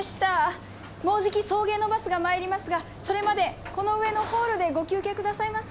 もうじき送迎のバスが参りますがそれまでこの上のホールでご休憩くださいませ。